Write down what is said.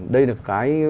đây là cái